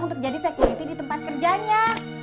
untuk jadi security di tempat kerjanya